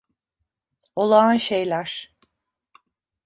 Olağan şeyler.